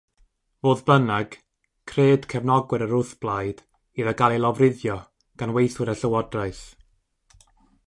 Fodd bynnag, cred cefnogwyr yr wrthblaid iddo gael ei lofruddio gan weithwyr y llywodraeth.